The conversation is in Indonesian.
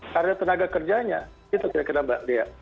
karena tenaga kerjanya itu tidak kira kira mbak dea